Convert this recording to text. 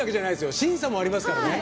審査もありますからね。